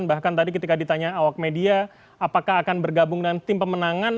dan bahkan tadi ketika ditanya awak media apakah akan bergabung dengan tim pemenangan